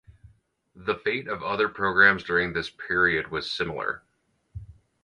The fate of other programs during this period was similar.